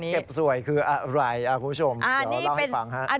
เก็บสวยคืออะไรคุณผู้ชมเดี๋ยวเล่าให้ฟังฮะ